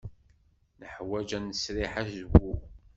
Neḥwaj ad nesriḥ azwu.